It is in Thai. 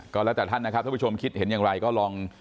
ก็แล้วแต่ท่านนะครับท่านผู้ชมคิดเห็นอย่างไรก็ลอง